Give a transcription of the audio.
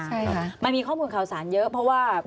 ใช่ค่ะมันมีข้อมูลข่าวสารเยอะเพราะว่า